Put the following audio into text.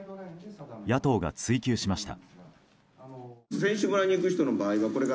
野党が追及しました。